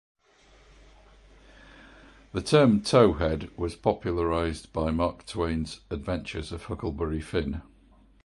The term "towhead" was popularised by Mark Twain's "Adventures of Huckleberry Finn".